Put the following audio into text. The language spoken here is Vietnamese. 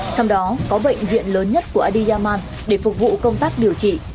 trong đó có bệnh viện lớn nhất của adyaman để phục vụ công tác điều trị